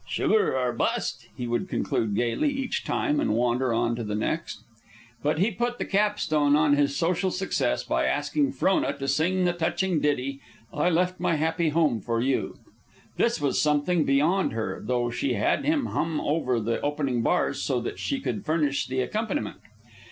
"Sugar or bust," he would conclude gayly each time and wander on to the next. But he put the capstone on his social success by asking Frona to sing the touching ditty, "I Left My Happy Home for You." This was something beyond her, though she had him hum over the opening bars so that she could furnish the accompaniment.